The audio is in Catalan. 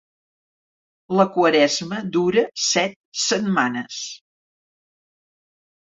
La Quaresma dura set setmanes.